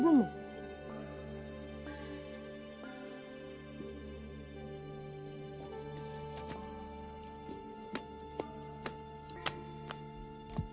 kau memanggap bani ria sebagai takut